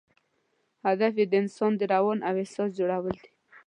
هدف یې د انسان د روان او احساس جوړول دي.